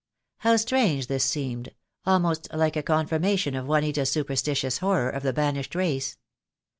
How strange this seemed, almost like a confirmation of Juanita's super stitious horror of the banished race.